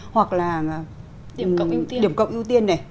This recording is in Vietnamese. hoặc là điểm cộng ưu tiên này